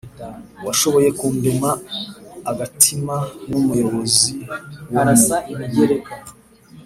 uwashoboye kundema agatima n'umuyobozi wo mu biro